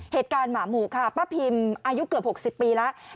เหตุการณ์หมาหมูค่ะป้าพิมป์อายุเกือบ๖๐ปีแล้ว